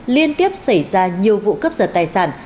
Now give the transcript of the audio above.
liên tiếp xảy ra nhiều vụ cướp giật tài sản